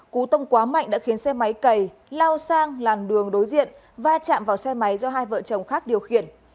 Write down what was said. cú tông quá mạnh đã khiến xe máy cầy lao sang làn đường đối diện và chạm vào xe máy do hai vợ chồng khác điều khiển